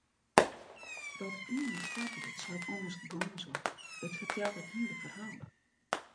Dat iene foarbyld seit ommers gâns wat, it fertelt it hiele ferhaal.